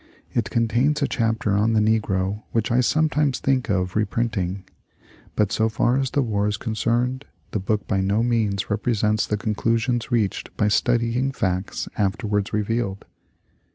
It contains a chapter on the negro which I sometimes think of reprinting, but so far as the war is concerned the book by no EMANCIPATION DISCUSSIONS 3 means represents the conclusions reached by studying facts afterwards revealed.